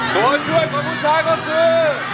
ตัวช่วยของคุณชายก็คือ